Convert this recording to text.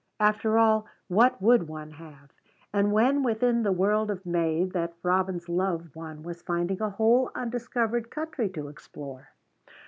After all, what would one have? And when within the world of May that robins love one was finding a whole undiscovered country to explore?